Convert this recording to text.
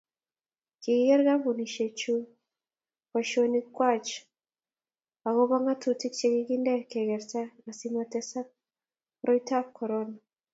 kiker kampunisiechu boisionikwach akubo ng'atutik che kikinde kekerta asimatesaka koroitab korona